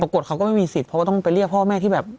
กฎเขาก็ไม่มีสิทธิ์เพราะว่าต้องไปเรียกพ่อแม่ที่แบบ